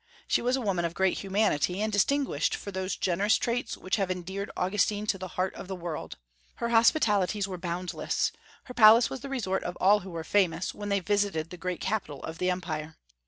She was a woman of great humanity, and distinguished for those generous traits which have endeared Augustine to the heart of the world. Her hospitalities were boundless; her palace was the resort of all who were famous, when they visited the great capital of the empire.